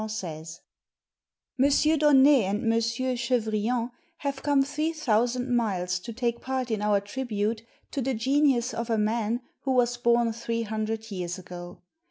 ] XIII THE MODERNITY OF MOLlfiRE MONSIEUR DONNAY and Monsieur Chev rillon have come three thousand miles to take part in our tribute to the genius of a man who was born three hundred years ago.